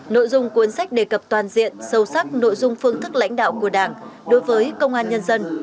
nội dung cuốn sách đề cập toàn diện sâu sắc nội dung phương thức lãnh đạo của đảng đối với công an nhân dân